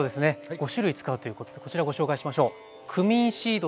５種類使うということでこちらご紹介しましょう。